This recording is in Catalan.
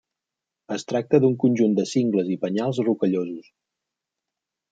Es tracta d'un conjunt de cingles i penyals rocallosos.